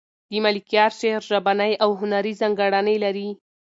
د ملکیار شعر ژبنۍ او هنري ځانګړنې لري.